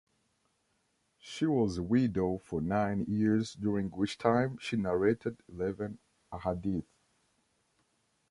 She was a widow for nine years, during which time she narrated eleven "ahadith".